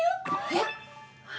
えっ！？